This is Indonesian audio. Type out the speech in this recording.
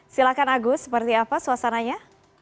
silahkan agus seperti apa suasananya